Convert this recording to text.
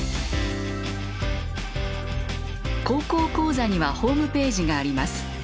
「高校講座」にはホームページがあります。